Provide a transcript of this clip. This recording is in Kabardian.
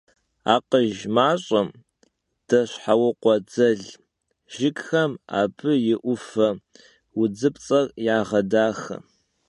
Akhuj maş'em deşheukhue dzel jjıgxem abı yi 'ufe vudzıpts'er yağedaxe.